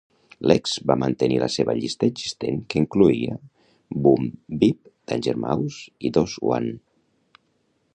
Lex va mantenir la seva llista existent que incloïa Boom Bip, Danger Mouse i Doseone.